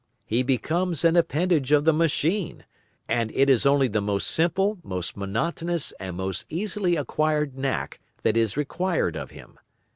He becomes an appendage of the machine, and it is only the most simple, most monotonous, and most easily acquired knack, that is required of him.